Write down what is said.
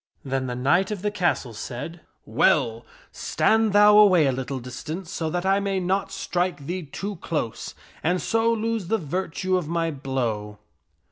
Then the knight of the castle said, " Well, stand thou away a little dis tance so that I may not strike thee too close, and so lose the virtue of my blow."